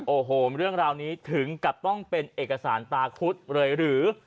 โอ้โหเรื่องราวนี้ถึงกับต้องเป็นเอกสารตาคุดเลยหรือ